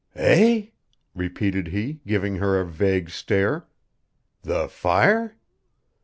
"Eh?" repeated he, giving her a vague stare. "The fire?"